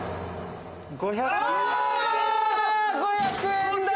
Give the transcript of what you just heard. ５００円だ！